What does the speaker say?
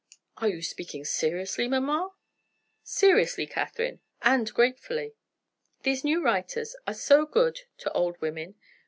"Are you speaking seriously, mamma?" "Seriously, Catherine and gratefully. These new writers are so good to old women.